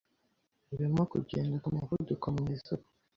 urimo kugenda kumuvuduko mwiza ubu. )